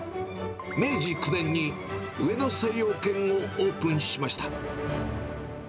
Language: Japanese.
明治９年に上野精養軒をオープンしました。